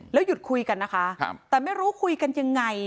หยุดคุยกันนะคะแต่ไม่รู้คุยกันยังไง